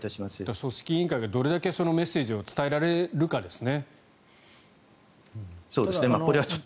組織委員会がどれだけメッセージを伝えられるかですね。